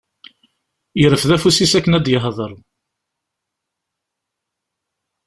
Yerfed afus-is akken ad d-yehder.